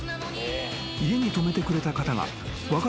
［家に泊めてくれた方が別れ際